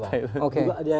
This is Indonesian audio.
bukan ke partai